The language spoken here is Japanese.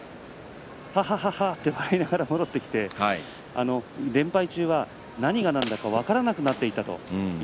ははははと笑いながら戻ってきて連敗中は何がなんだか分からなくなっていた。